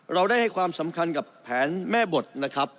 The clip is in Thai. เราได้ให้ความสำคัญกับแผนแม่บทนะครับ